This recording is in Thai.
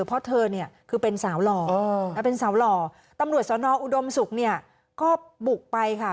เพราะเธอเนี่ยคือเป็นสาวหล่อเป็นสาวหล่อตำรวจสอนออุดมศุกร์เนี่ยก็บุกไปค่ะ